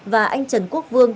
và anh trần quốc vương